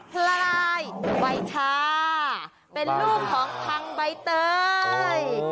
พลายใบชาเป็นลูกของพังใบเตย